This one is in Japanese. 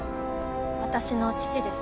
私の父です。